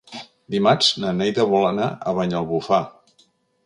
Dimarts na Neida vol anar a Banyalbufar.